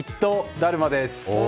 だるまです。